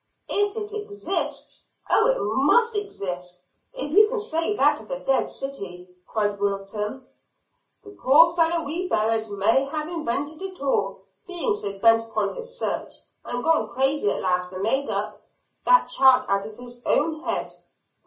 "If it exists? Oh, it must exist, if you can say that of a dead city," cried Wilton. "The poor fellow we buried may have invented it all, being so bent upon his search, and gone crazy at last and made up that chart out of his own head."